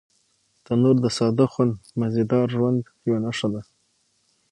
تنور د ساده خو مزيدار ژوند یوه نښه ده